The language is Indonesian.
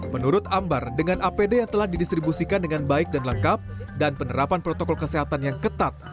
menurut ambar dengan apd yang telah didistribusikan dengan baik dan lengkap dan penerapan protokol kesehatan yang ketat